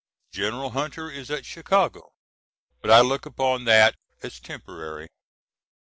General Hunter is at Chicago, but I look upon that as temporary.